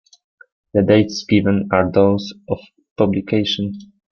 The dates given are those of publication.